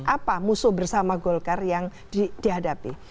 apa musuh bersama golkar yang dihadapi